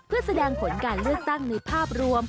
เพื่อแสดงผลการเลือกตั้งในภาพรวม